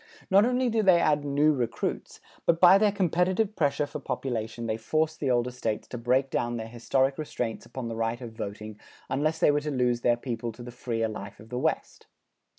Not only did they add new recruits, but by their competitive pressure for population they forced the older States to break down their historic restraints upon the right of voting, unless they were to lose their people to the freer life of the West.